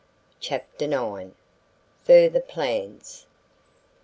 CHAPTER IX. FURTHER PLANS.